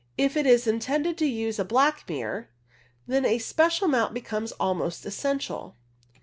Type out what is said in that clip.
If it is intended to use a black mirror, then a special mount becomes almost essential.